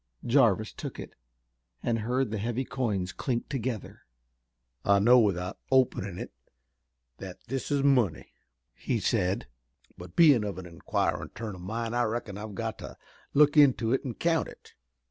Jarvis took it, and heard the heavy coins clink together. "I know without openin' it that this is money," he said, "but bein' of an inquirin' turn o' mind I reckon I've got to look into it an' count it."